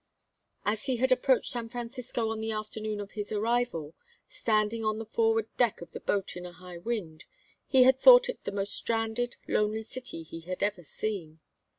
As he had approached San Francisco on the afternoon of his arrival, standing on the forward deck of the boat in a high wind, he had thought it the most stranded lonely city he had ever seen.